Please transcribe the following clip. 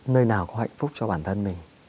nơi nào có hạnh phúc cho bản thân mình